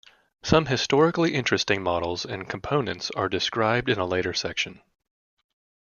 Some historically interesting models and components are described in a later section.